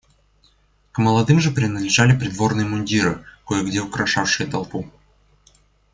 К молодым же принадлежали придворные мундиры, кое-где украшавшие толпу.